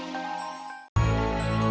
aku harus mencari saya sendiri